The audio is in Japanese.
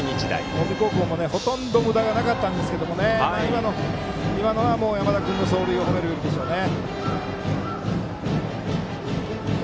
近江高校もほとんどむだがなかったんですが今のは山田君の走塁を褒めるべきでしょうね。